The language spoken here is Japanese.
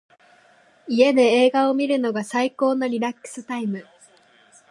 家で映画を観るのが最高のリラックスタイム。